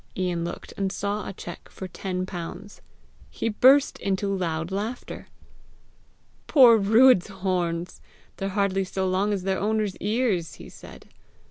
Ian looked, and saw a cheque for ten pounds. He burst into loud laughter. "Poor Ruadh's horns! they're hardly so long as their owner's ears!" he said.